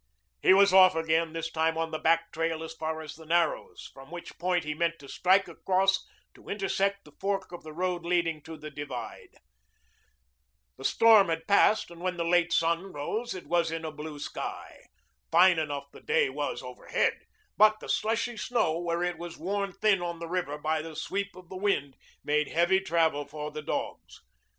He was off again, this time on the back trail as far as the Narrows, from which point he meant to strike across to intersect the fork of the road leading to the divide. The storm had passed and when the late sun rose it was in a blue sky. Fine enough the day was overhead, but the slushy snow, where it was worn thin on the river by the sweep of the wind, made heavy travel for the dogs.